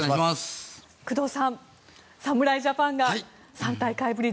工藤さん、侍ジャパンが３大会ぶり